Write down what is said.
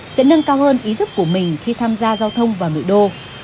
sẽ nâng cao hơn ý thức của mình khi tham gia giao thông vào nội đô